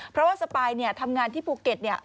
เพราะว่าสปายเนี่ยทำงานที่ภูเก็ตเนี่ย